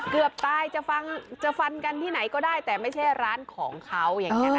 เกือบตายจะฟันที่ไหนก็ได้แปลว่าไม่ใช่ร้านของเขา